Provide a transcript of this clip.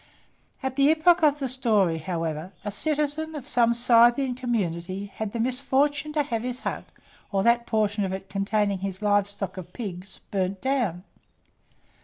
At the epoch of the story, however, a citizen of some Scythian community had the misfortune to have his hut, or that portion of it containing his live stock of pigs, burnt down.